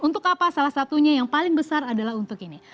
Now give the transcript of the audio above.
untuk apa salah satunya yang paling besar adalah untuk ini